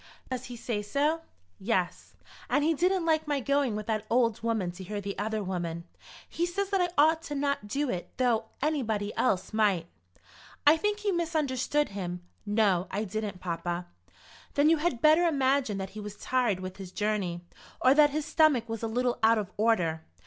"Does he say so?" "Yes; and he didn't like my going with that old woman to hear the other women. He says that I ought not to do it though anybody else might." "I think you misunderstood him." "No; I didn't, papa." "Then you had better imagine that he was tired with his journey, or that his stomach was a little out of order.